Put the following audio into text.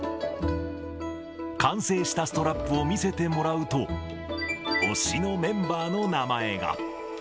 完成したストラップを見せてもらうと、推しのメンバーの名前が。